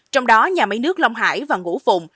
trong đó nhà máy nước long hải và ngũ phụng